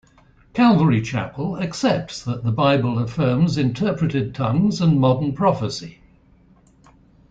Calvary Chapel accepts that the Bible affirms interpreted tongues and modern prophecy.